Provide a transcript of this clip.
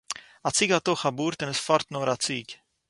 אַ ציג האָט אויך אַ באָרד און איז פֿאָרט נאָר אַ ציג.